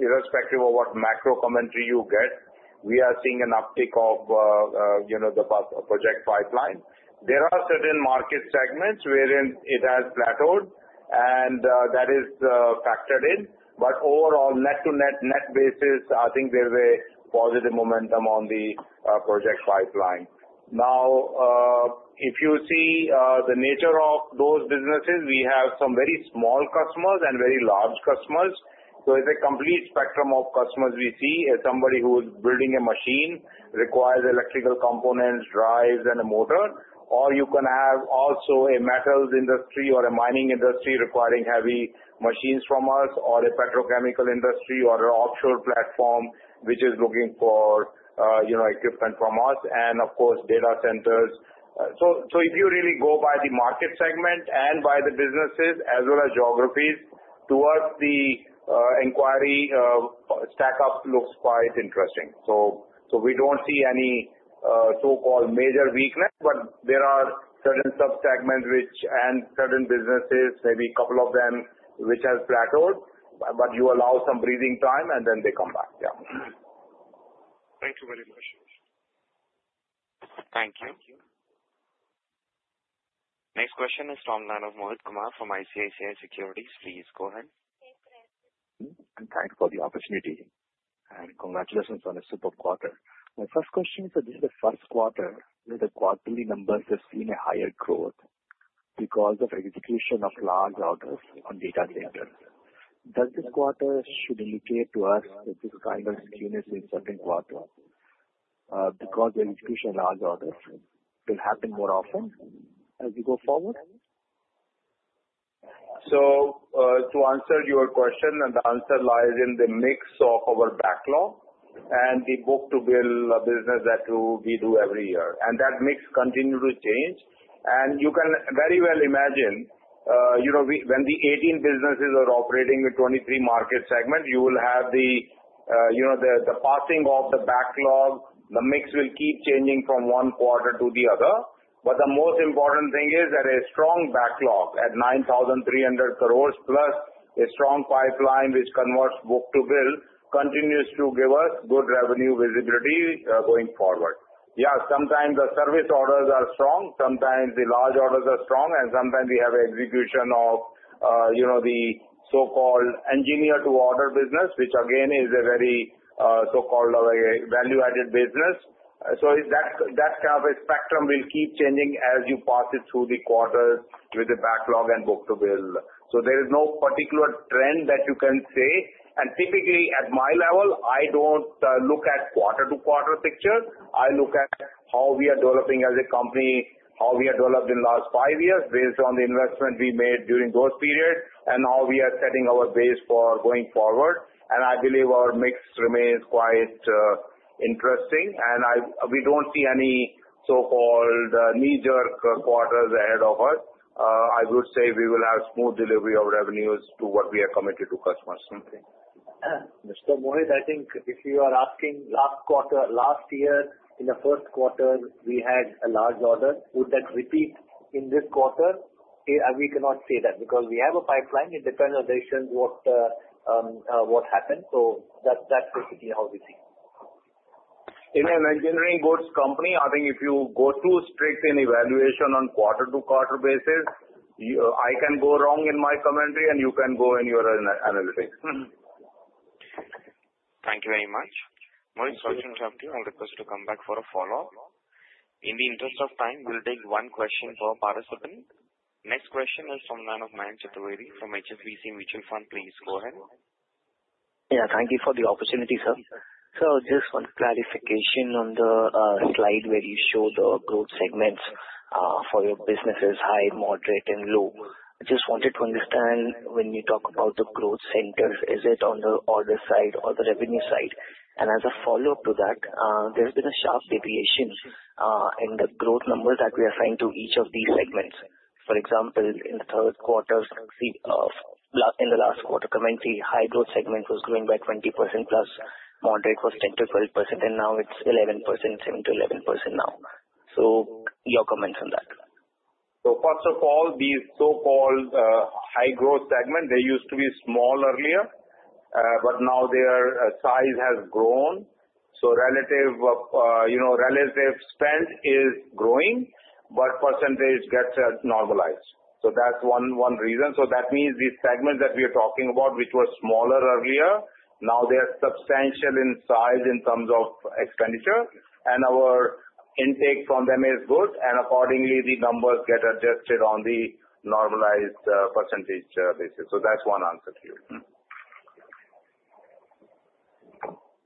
Irrespective of what macro commentary you get, we are seeing an uptick of the project pipeline. There are certain market segments wherein it has plateaued, and that is factored in. But overall, net to net, net basis, I think there's a positive momentum on the project pipeline. Now, if you see the nature of those businesses, we have some very small customers and very large customers. So it's a complete spectrum of customers we see. Somebody who is building a machine requires electrical components, drives, and a motor. Or you can have also a metals industry or a mining industry requiring heavy machines from us, or a petrochemical industry or an offshore platform which is looking for equipment from us, and of course, data centers. So if you really go by the market segment and by the businesses as well as geographies, to us, the inquiry stack-up looks quite interesting. So we don't see any so-called major weakness, but there are certain subsegments and certain businesses, maybe a couple of them, which have plateaued. But you allow some breathing time, and then they come back. Yeah. Thank you very much. Thank you. Next question is from Mohit Kumar from ICICI Securities. Please go ahead. Thank you for the opportunity and congratulations on a superb quarter. My first question is, in the Q1, where the quarterly numbers have seen a higher growth because of execution of large orders on data centers. Does this quarter should indicate to us that this kind of skewness in certain quarters because the execution of large orders will happen more often as we go forward? So to answer your question, the answer lies in the mix of our backlog and the book-to-bill business that we do every year, and that mix continues to change, and you can very well imagine when the 18 businesses are operating in 23 market segments, you will have the passing of the backlog. The mix will keep changing from one quarter to the other, but the most important thing is that a strong backlog at 9,300 crores plus a strong pipeline which converts book-to-bill continues to give us good revenue visibility going forward. Yeah. Sometimes the service orders are strong. Sometimes the large orders are strong, and sometimes we have execution of the so-called engineer-to-order business, which again is a very so-called value-added business. So that kind of a spectrum will keep changing as you pass it through the quarters with the backlog and book-to-bill. So there is no particular trend that you can say. And typically, at my level, I don't look at quarter-to-quarter picture. I look at how we are developing as a company, how we have developed in the last five years based on the investment we made during those periods, and how we are setting our base for going forward. And I believe our mix remains quite interesting, and we don't see any so-called knee-jerk quarters ahead of us. I would say we will have smooth delivery of revenues to what we have committed to customers. Mr. Mohit, I think if you are asking last quarter, last year, in the Q1, we had a large order. Would that repeat in this quarter? We cannot say that because we have a pipeline. It depends on the decisions what happens. So that's basically how we see. In an engineering goods company, I think if you go too strict in evaluation on quarter-to-quarter basis, I can go wrong in my commentary, and you can go in your analytics. Thank you very much. Mohit, it's a pleasure to have you. I'll request you to come back for a follow-up. In the interest of time, we'll take one question per participant. Next question is from Mohit Chaturvedi from HSBC Mutual Fund. Please go ahead. Yeah. Thank you for the opportunity, sir. So just one clarification on the slide where you show the growth segments for your businesses: high, moderate, and low. I just wanted to understand when you talk about the growth centers, is it on the order side or the revenue side? And as a follow-up to that, there's been a sharp deviation in the growth numbers that we assign to each of these segments. For example, in the third quarter, in the last quarter commentary, high growth segment was growing by 20% plus, moderate was 10%-12%, and now it's 11%, 7%-11% now. So your comments on that. So first of all, these so-called high growth segments, they used to be small earlier, but now their size has grown. So relative spend is growing, but percentage gets normalized. So that's one reason. So that means these segments that we are talking about, which were smaller earlier, now they are substantial in size in terms of expenditure, and our intake from them is good. And accordingly, the numbers get adjusted on the normalized percentage basis. So that's one answer to you.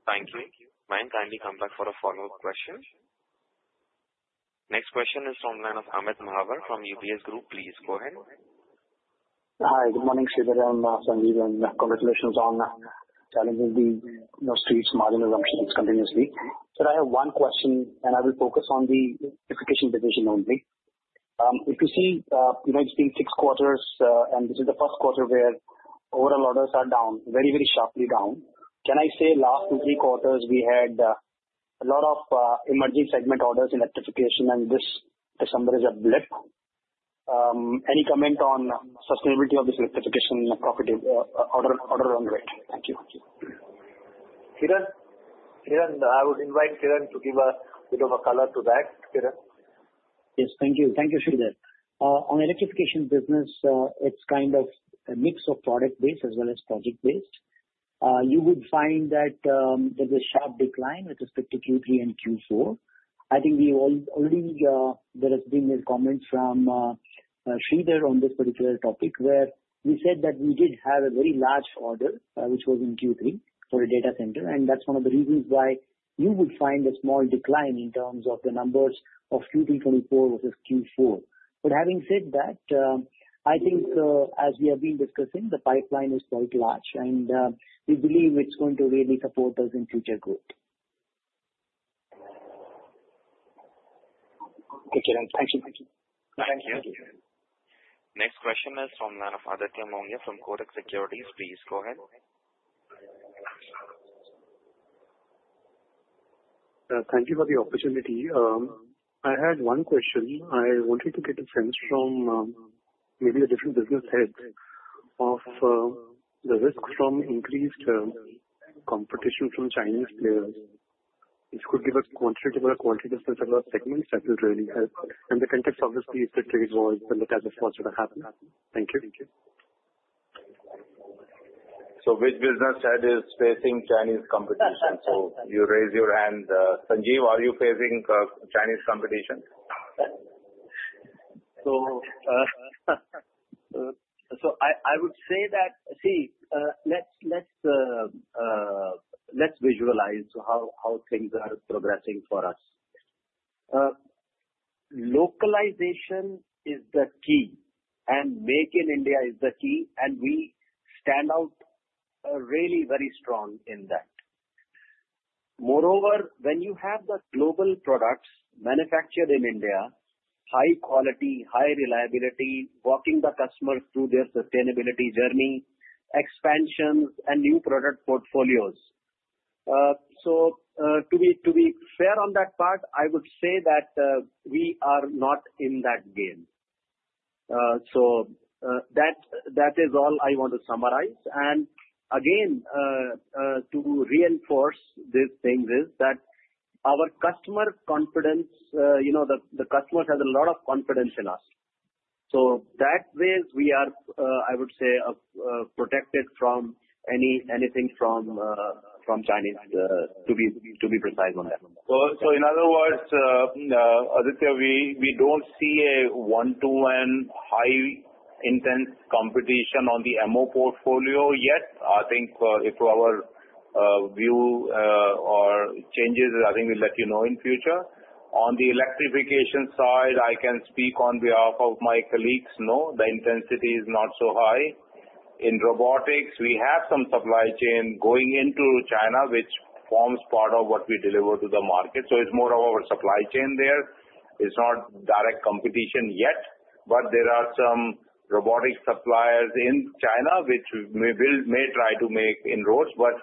Thank you. Thank you. May I kindly come back for a follow-up question? Next question is from Amit Mahawar from UBS Group. Please go ahead. Hi. Good morning, Sridhar and Sanjeev, and congratulations on a challenging quarter, maintaining margins continuously. Sir, I have one question, and I will focus on the electrification division only. If you see the United States six quarters, and this is the Q1 where overall orders are down, very, very sharply down, can I say last two, three quarters we had a lot of emerging segment orders in electrification, and this December is a blip? Any comment on sustainability of this electrification profit, order intake rate? Thank you. Kiran? Kiran, I would invite Kiran to give a bit of a color to that. Kiran? Yes. Thank you. Thank you, Sridhar. On electrification business, it's kind of a mix of product-based as well as project-based. You would find that there's a sharp decline with respect to Q3 and Q4. I think already there has been a comment from Sridhar on this particular topic where we said that we did have a very large order which was in Q3 for a data center, and that's one of the reasons why you would find a small decline in terms of the numbers of Q3, Q4 versus Q4. But having said that, I think as we have been discussing, the pipeline is quite large, and we believe it's going to really support us in future growth. Okay. Thank you. Next question is from Aditya Mongia from Kotak Securities. Please go ahead. Thank you for the opportunity. I had one question. I wanted to get a sense from maybe a different business head of the risk from increased competition from Chinese players. If you could give us quantitative or qualitative data about segments, that would really help. And the context, obviously, is the trade war, and that has of course happened. Thank you. So which business head is facing Chinese competition? So you raise your hand. Sanjeev, are you facing Chinese competition? So I would say that, see, let's visualize how things are progressing for us. Localization is the key, and Make in India is the key, and we stand out really very strong in that. Moreover, when you have the global products manufactured in India, high quality, high reliability, walking the customers through their sustainability journey, expansions, and new product portfolios. So to be fair on that part, I would say that we are not in that game. So that is all I want to summarize. And again, to reinforce these things is that our customer confidence, the customers have a lot of confidence in us. So that way, we are, I would say, protected from anything from Chinese, to be precise on that. So in other words, Aditya, we don't see a one-to-one high-intense competition on the MO portfolio yet. I think if our view changes, I think we'll let you know in future. On the electrification side, I can speak on behalf of my colleagues, no. The intensity is not so high. In robotics, we have some supply chain going into China, which forms part of what we deliver to the market. So it's more of our supply chain there. It's not direct competition yet, but there are some robotics suppliers in China which may try to make inroads. But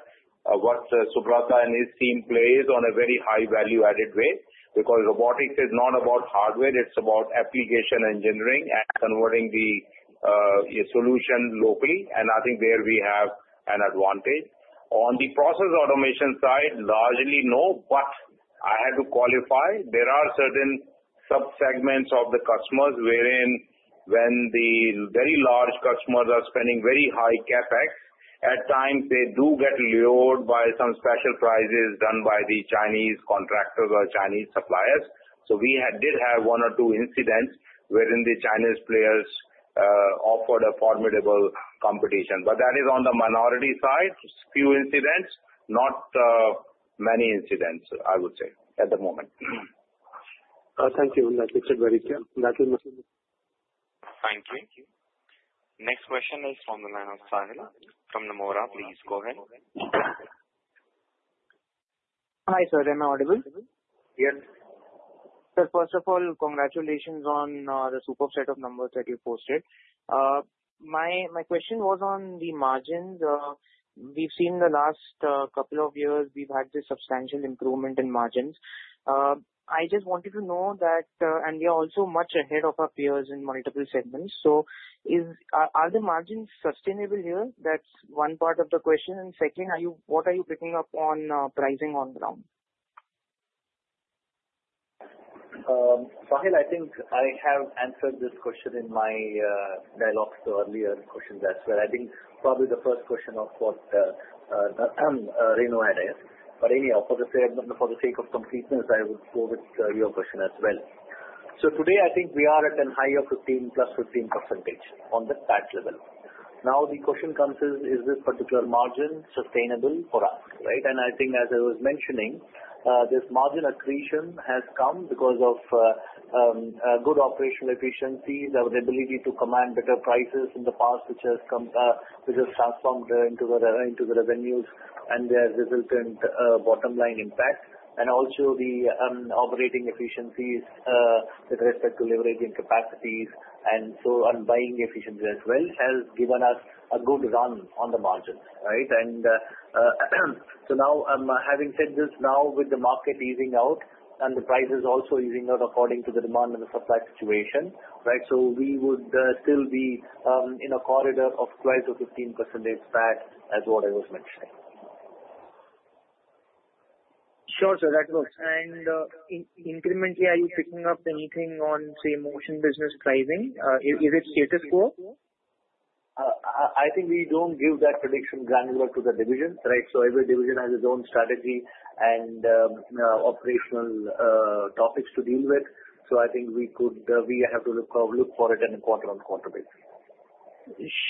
what Subrata and his team play is on a very high value-added way because robotics is not about hardware. It's about application engineering and converting the solution locally. And I think there we have an advantage. On the process automation side, largely no, but I had to qualify. There are certain subsegments of the customers wherein when the very large customers are spending very high CapEx, at times they do get lured by some special prices done by the Chinese contractors or Chinese suppliers. So we did have one or two incidents wherein the Chinese players offered a formidable competition. But that is on the minority side, few incidents, not many incidents, I would say, at the moment. Thank you. That makes it very clear. That will make it. Thank you. Thank you. Next question is from Sahil from Nomura. Please go ahead. Hi, sir. Am I audible? Yes. Sir, first of all, congratulations on the superb set of numbers that you posted. My question was on the margins. We've seen the last couple of years we've had this substantial improvement in margins. I just wanted to know that, and we are also much ahead of our peers in multiple segments. So are the margins sustainable here? That's one part of the question. And second, what are you picking up on pricing on ground? Sahil, I think I have answered this question in my dialogues earlier questions as well. I think probably the first question of what Renu had asked. But anyhow, for the sake of completeness, I would go with your question as well. So today, I think we are at a higher 15% plus 15% on the tax level. Now the question comes is, is this particular margin sustainable for us? Right? And I think as I was mentioning, this margin accretion has come because of good operational efficiencies, the ability to command better prices in the past, which has transformed into the revenues and their resultant bottom-line impact. And also the operating efficiencies with respect to leveraging capacities and so on, buying efficiency as well has given us a good run on the margins. Right? And so now, having said this, now with the market easing out and the prices also easing out according to the demand and the supply situation, right, so we would still be in a corridor of 12%-15% PAT as what I was mentioning. Sure, sir. That works. And incrementally, are you picking up anything on, say, motion business pricing? Is it status quo? I think we don't give that prediction granular to the divisions. Right? So every division has its own strategy and operational topics to deal with. So I think we have to look for it in a quarter-on-quarter basis.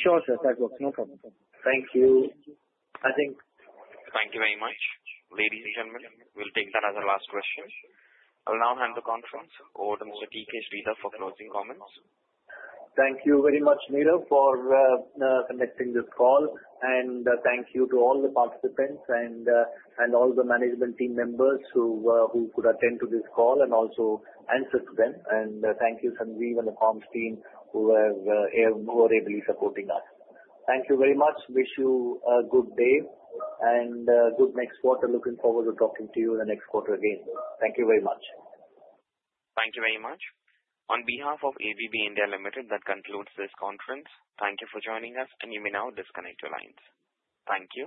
Sure, sir. That works. No problem. Thank you. I think. Thank you very much, ladies and gentlemen. We'll take that as a last question. I'll now hand the conference over to Mr. T. K. Sridhar for closing comments. Thank you very much, Sridhar, for conducting this call. Thank you to all the participants and all the management team members who could attend to this call and also answer to them. Thank you, Sanjeev and the comms team who were able to support us. Thank you very much. Wish you a good day and good next quarter. Looking forward to talking to you in the next quarter again. Thank you very much. Thank you very much. On behalf of ABB India Limited, that concludes this conference. Thank you for joining us, and you may now disconnect your lines. Thank you.